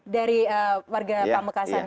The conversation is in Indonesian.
dari warga pamekasan ya